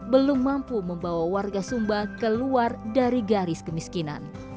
belum mampu membawa warga sumba keluar dari garis kemiskinan